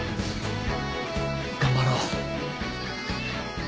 頑張ろう。